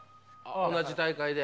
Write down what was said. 同じ大会で？